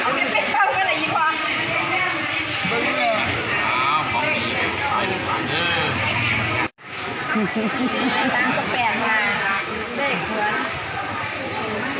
คือประสบความสุขที่มีชีวิต